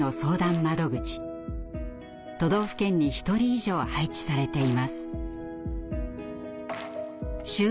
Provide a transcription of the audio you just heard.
都道府県に１人以上配置されています。